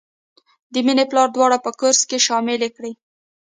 د مینې پلار دواړه په کورس کې شاملې کړې